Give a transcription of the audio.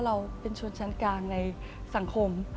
เราเป็นชนชั้นกลางในสังคม